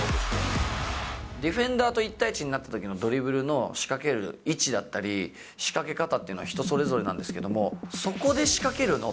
ディフェンダーと１対１になったときのドリブルの仕掛ける位置だったり、仕掛け方というのは人それぞれなんですけれども、そこで仕掛けるの？